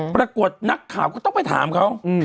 ปรากฏนักข่าวก็ต้องไปถามเขา